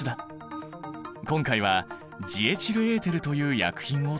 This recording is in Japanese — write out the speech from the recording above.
今回はジエチルエーテルという薬品を使う。